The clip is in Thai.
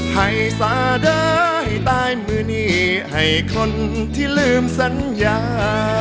ให้สาได้ตายมือนี้ให้คนที่ลืมสัญญา